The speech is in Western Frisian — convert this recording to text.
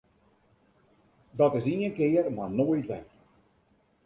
Dat is ien kear mar noait wer!